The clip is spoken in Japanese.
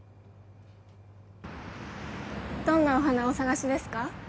どんなお花をお探しですか？